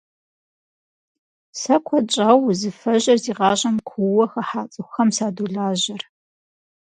Сэ куэд щӏауэ узыфэжьыр зи гъащӏэм куууэ хыхьа цӏыхухэм садолажьэр.